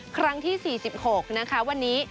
ครั้งที่๔๖นะคะวันนี้